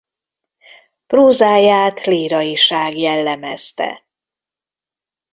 Prózáját líraiság jellemezte.